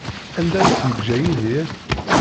Anda ay t-yeǧǧa Yidir?